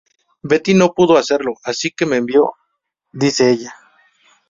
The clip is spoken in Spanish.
Betty no pudo hacerlo, así que me envió, dice ella.